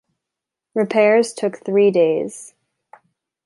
Repairs took three days.